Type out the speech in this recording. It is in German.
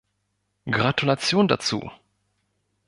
Gratulation dazu!